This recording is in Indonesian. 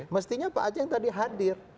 mestinya pak anjeng tadi hadir